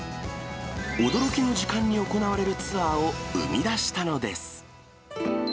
驚きの時間に行われるツアーを生み出したのです。